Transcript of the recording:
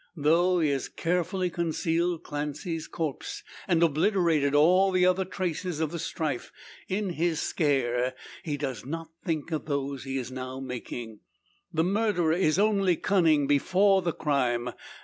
Though he has carefully concealed Clancy's corpse, and obliterated all other traces of the strife, in his "scare," he does not think of those he is now making. The murderer is only cunning before the crime.